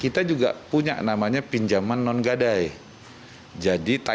kita juga punya namanya pinjaman non gadai kita juga punya namanya pinjaman non gadai